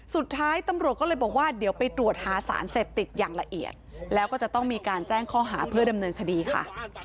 สุดท้ายตำรวจก็เลยบอกว่าเดี๋ยวไปตรวจหาสารเสพติดอย่างละเอียดแล้วก็จะต้องมีการแจ้งข้อหาเพื่อดำเนินคดีค่ะ